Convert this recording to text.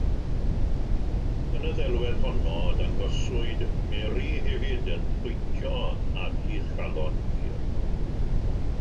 Yn y ddelwedd honno, dangoswyd Mary hefyd yn pwyntio at ei "Chalon Bur".